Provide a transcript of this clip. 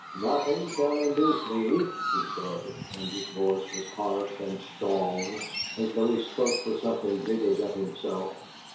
"Nothing shall induce me!" he said, and his voice was harsh and strong, as though he spoke for something bigger than himself.